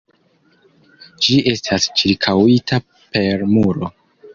Ĝi estas ĉirkaŭita per muro.